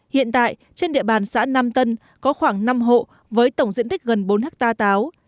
hiện tại trên địa bàn xã nam tân có khoảng năm hộ với tổng diện tích gần bốn hectare táo